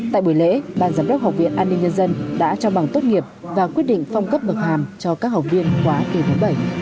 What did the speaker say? tại buổi lễ ban giám đốc học viện an ninh nhân dân đã trao bằng tốt nghiệp và quyết định phong cấp bậc hàm cho các học viên khóa kỳ thứ bảy